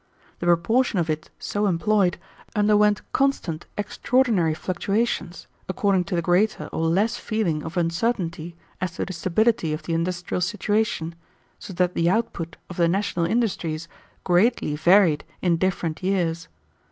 The proportion of it so employed underwent constant extraordinary fluctuations, according to the greater or less feeling of uncertainty as to the stability of the industrial situation, so that the output of the national industries greatly varied in different years.